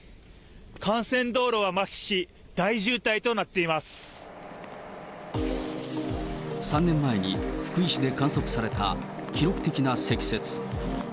幹線道路は麻痺し、大渋滞となっ３年前に福井市で観測された記録的な積雪。